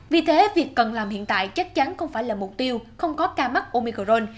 vì thế việc cần làm hiện tại chắc chắn không phải là mục tiêu không có ca mắc omicron